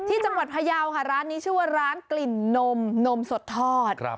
ที่จังหวัดพยาวค่ะร้านนี้ชื่อว่าร้านกลิ่นนมนมสดทอด